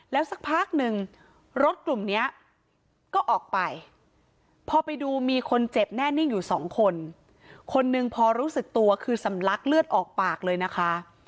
แล้วสักพักหนึ่งรถกลุ่มนี้ก็ออกไปพอไปดูมีคนเจ็บแน่นิ่งอยู่สองคนคนหนึ่งพอรู้สึกตัวคือสำลักเลือดออกปากเลยนะคะ